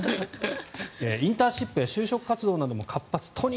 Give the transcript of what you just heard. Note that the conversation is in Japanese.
インターンシップや就職活動なども活発。